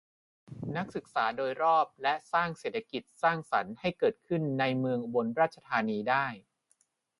นักศึกษาโดยรอบ และ สร้างเศรษฐกิจสร้างสรรค์ให้เกิดขึ้นในเมืองอุบลราชธานีได้